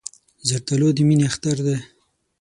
زردالو د مینې اختر دی.